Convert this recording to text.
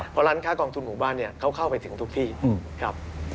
เพราะร้านค้ากองทุนหมู่บ้านเนี่ยเขาเข้าไปถึงทุกที่ครับ